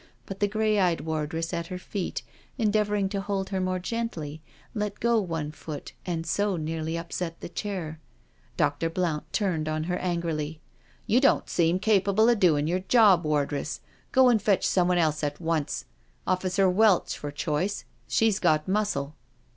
But the grey eyed wardress at her feet, en deavouring to hold her more gently, let go one foot and so nearly upset the chair. Dr. Blount turned on her angrily: " You don't seem capable of doing your job, Ward ress. Go and fetch someone else at once— Officer Welch for choice— she's got muscle.